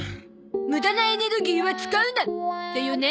「無駄なエネルギーは使うな」だよね？